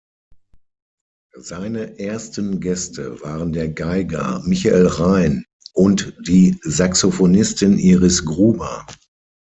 Seine ersten Gäste waren der Geiger Michael Rein und die Saxophonistin Iris Gruber.